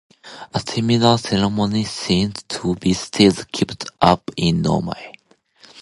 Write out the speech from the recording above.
A similar ceremony seems to be still kept up in Norway.